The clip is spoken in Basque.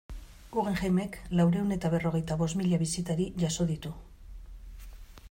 Guggenheimek laurehun eta berrogeita bost mila bisitari jaso ditu.